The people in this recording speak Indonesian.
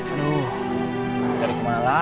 aduh cari kemana lagi ya kayaknya